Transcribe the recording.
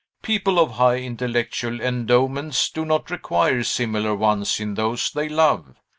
People of high intellectual endowments do not require similar ones in those they love.